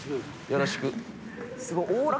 よろしく。